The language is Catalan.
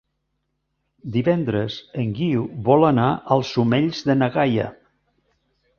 Divendres en Guiu vol anar als Omells de na Gaia.